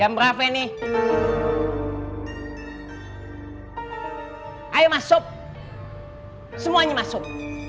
ambil aja kalau pada nyusok